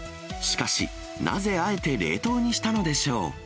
しかし、なぜあえて冷凍にしたのでしょう。